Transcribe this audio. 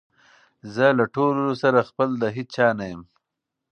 زه له ټولو سره خپل د هیچا نه یم